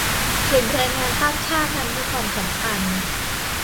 กลุ่มแรงงานข้ามชาตินั้นมีความสำคัญ